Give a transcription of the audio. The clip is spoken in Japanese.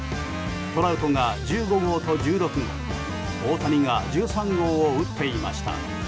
トラウトが１５号と１６号大谷が１３号を打っていました。